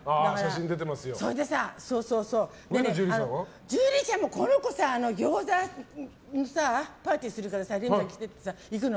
それで、樹里ちゃんもこの子ギョーザパーティーするからレミさん来てって行くの。